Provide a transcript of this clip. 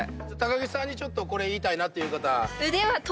木さんにちょっとこれ言いたいなっていう方。